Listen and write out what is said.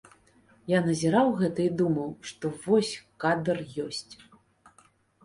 Я назіраў гэта і думаў, што вось кадр ёсць.